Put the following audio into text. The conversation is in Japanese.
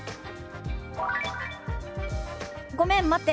「ごめん待って。